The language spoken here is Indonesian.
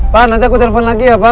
pak nanti aku telepon lagi ya pak